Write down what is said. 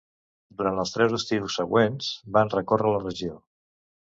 Durant els tres estius següents, van recórrer la regió.